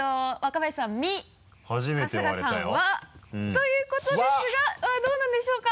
春日さん「わ」ということですがどうなんでしょうか？